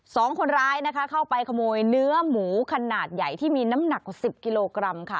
สองคนร้ายนะคะเข้าไปขโมยเนื้อหมูขนาดใหญ่ที่มีน้ำหนักกว่าสิบกิโลกรัมค่ะ